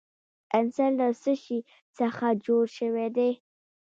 عنصر له څه شي څخه جوړ شوی دی.